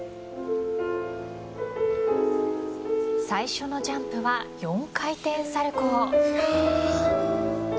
最初のジャンプは４回転サルコウ。